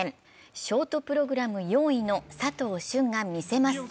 ショートプログラム４位の佐藤駿が見せます。